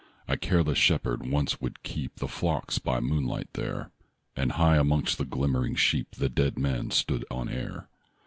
A careless shepherd once would keep The flocks by moonlight there, (1) And high amongst the glimmering sheep The dead man stood on air.